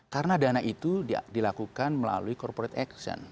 karena dana itu dilakukan melalui corporate action